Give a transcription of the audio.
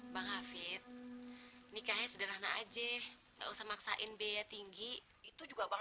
bang hafid nikahnya sederhana aja gak usah maksain biaya tinggi itu juga bang